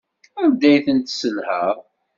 Anda ay tent-tesselhaḍ?